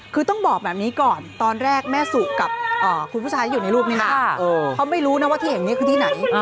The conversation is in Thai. คือต้องบอกแบบนี้ก่อนตอนแรกแม่สุกับคุณผู้ชายที่อยู่ในรูปนี้นะเขาไม่รู้นะว่าที่แห่งนี้คือที่ไหน